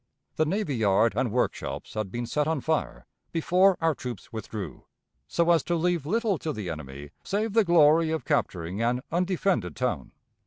The navy yard and workshops had been set on fire before our troops withdrew, so as to leave little to the enemy save the glory of capturing an undefended town.